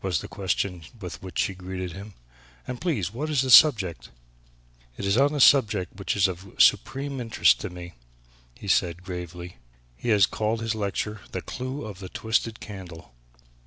was the question with which she greeted him, "and, please, what is the subject?" "It is on a subject which is of supreme interest to me;" he said gravely; "he has called his lecture 'The Clue of the Twisted Candle.'